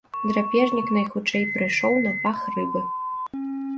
Драпежнік найхутчэй прыйшоў на пах рыбы.